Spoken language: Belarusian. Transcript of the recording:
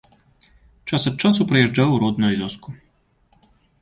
Час ад часу прыязджаў у родную вёску.